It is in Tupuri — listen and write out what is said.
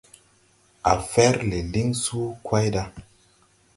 A fer le liŋ suu kway ɗa.